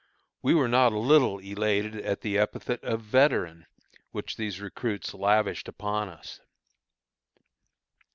We were not a little elated at the epithet of "Veteran," which these recruits lavished upon us.